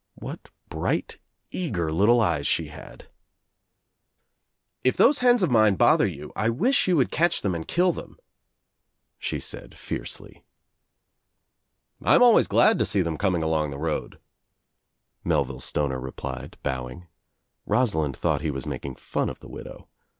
What bright eager little eyes she hadi "If those hens of mine bother you I wish you would catch them and kill them," she said fiercely. "I am always glad to see them coming along the road," Mel ville Stoner replied, bowing. Rosalind thought he was making fun of the widow.